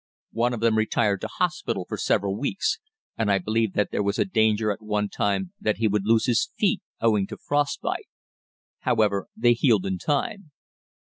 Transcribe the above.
One of them retired to hospital for several weeks, and I believe that there was a danger at one time that he would lose his feet owing to frost bite. However, they healed in time.